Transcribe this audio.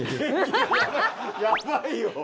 やばいよ！